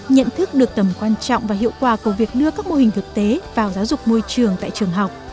nhận thức được tầm quan trọng và hiệu quả của việc đưa các mô hình thực tế vào giáo dục môi trường tại trường học